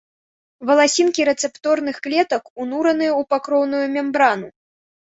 Валасінкі рэцэпторных клетак унураныя ў покрыўную мембрану.